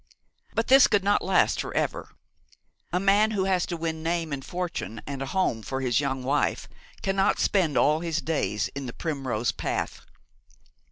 But this could not last for ever. A man who has to win name and fortune and a home for his young wife cannot spend all his days in the primrose path.